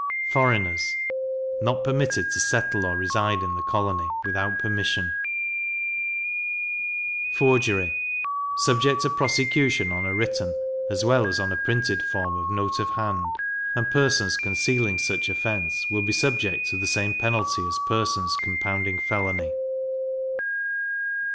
Foreigners not permitted to settle or reside in the colony, without permission. Forgery subject to prosecution on a written, as well as on a printed form of note of hand; and persons concealing such offence, will be subject to the same penalty as persons compounding felony.